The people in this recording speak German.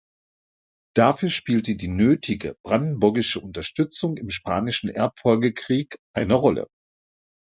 Dafür spielte die nötige brandenburgische Unterstützung im Spanischen Erbfolgekrieg eine Rolle.